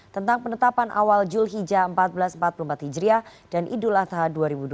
tentang penetapan awal julhijah seribu empat ratus empat puluh empat hijriah dan idul adha dua ribu dua puluh